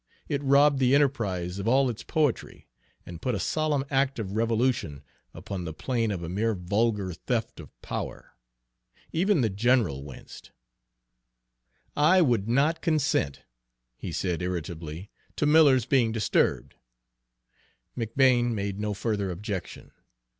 It robbed the enterprise of all its poetry, and put a solemn act of revolution upon the plane of a mere vulgar theft of power. Even the general winced. "I would not consent," he said irritably, "to Miller's being disturbed." McBane made no further objection.